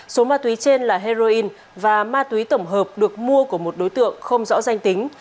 số ma túy trên là heroin và ma túy tổng hợp được mua của một đối tượng không rõ danh tính